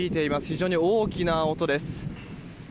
非常に大きな音です。